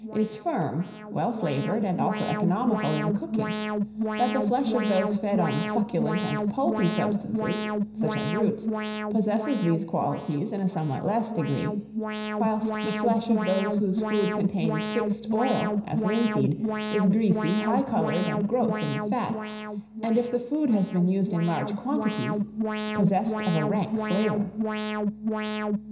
is firm, well flavoured, and also economical in the cooking; that the flesh of those fed on succulent and pulpy substances, such as roots, possesses these qualities in a somewhat less degree; whilst the flesh of those whose food contains fixed oil, as linseed, is greasy, high coloured, and gross in the fat, and if the food has been used in large quantities, possessed of a rank flavour.